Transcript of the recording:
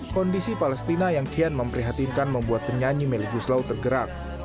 kondisi palestina yang kian memprihatinkan membuat penyanyi meli guslau tergerak